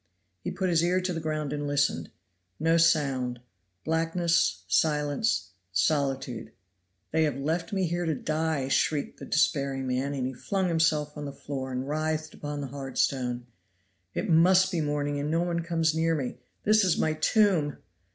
He put his ear to the ground and listened; no sound blackness, silence, solitude. "They have left me here to die," shrieked the despairing man, and he flung himself on the floor and writhed upon the hard stone. "It must be morning, and no one comes near me; this is my tomb!"